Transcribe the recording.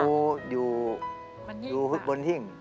อยู่บนหิ้ง